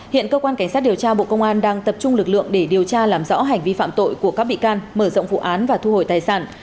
hiện cơ quan cảnh sát điều tra bộ công an đang tập trung lực lượng để điều tra làm rõ hành vi phạm tội của các bị can mở rộng vụ án và thu hồi tài sản